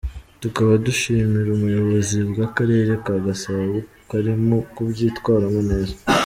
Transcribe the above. tukaba dushimira ubuyobozi bw’Akarere ka Gasabo ko karimo kubyitwaramo neza.